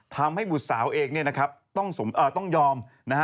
ทำให้บุษาวเองต้องยอม